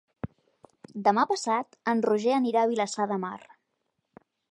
Demà passat en Roger anirà a Vilassar de Mar.